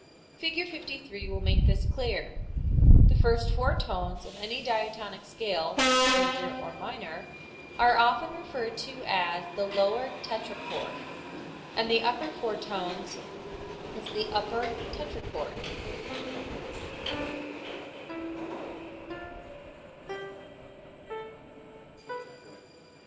Fig. 53 will make this clear. The first four tones of any diatonic scale (major or minor) are often referred to as the lower tetrachord and the upper four tones as the upper tetrachord.